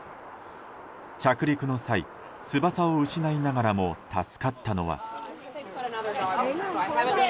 着陸の際、翼を失いながらも助かったのは。